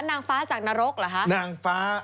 นางฟ้าจากนรกเหรอคะ